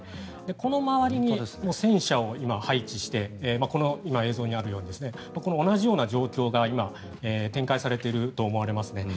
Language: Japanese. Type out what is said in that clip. この周りに戦車を今、配置して今、映像にあるように同じような状況が今、展開されていると思われますね。